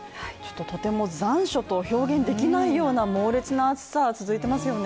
とても残暑と表現できないような猛烈な暑さ、続いていますよね。